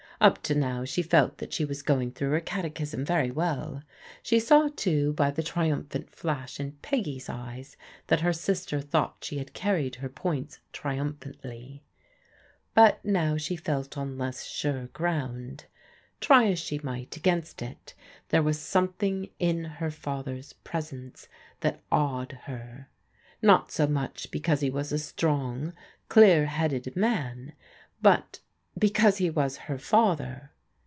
Up to now, she felt that she was going through her catechism very well. She saw, too, by the triumphant flash in Peggy's eyes that her sister thought she had carried her points triumphantly. But now she felt on less sure ground. Try as she might against it there was some THE STORM BBEAES 51 thing in her father's presence that awed her. Not so much because he was a strong, clear headed man, but be cause he was her father.